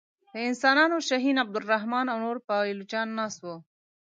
د انسانانو شهین عبدالرحمن او نور پایلوچان ناست وه.